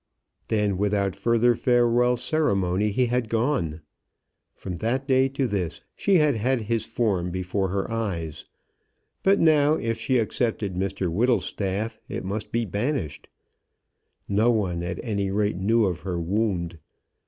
Then without further farewell ceremony he had gone. From that day to this she had had his form before her eyes; but now, if she accepted Mr Whittlestaff, it must be banished. No one, at any rate, knew of her wound.